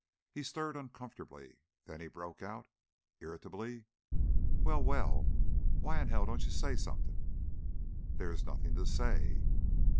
He stirred uncomfortably, then he broke out, irritably: "Well, well? Why in hell don't you say something?" "There is nothing to say."